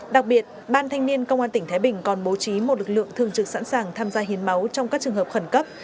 đặc biệt ban thanh niên công an tỉnh thái bình còn bố trí một lực lượng thường trực sẵn sàng tham gia hiến máu trong các trường hợp khẩn cấp